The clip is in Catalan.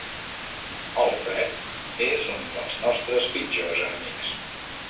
El fred és un dels nostres pitjors enemics.